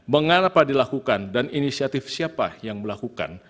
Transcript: mengapa dilakukan dan inisiatif siapa yang melakukan